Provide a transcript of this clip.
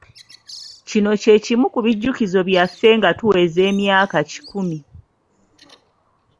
Kino kye kimu ku bijjukizo byaffe nga tuweza emyaka kikumi.